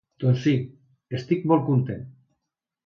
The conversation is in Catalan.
Doncs sí, estic molt content.